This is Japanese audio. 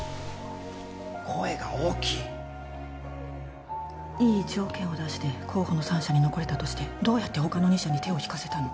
声が大きいいい条件を出して候補の３社に残れたとしてどうやって他の２社に手を引かせたの？